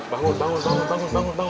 bangun bangun bangun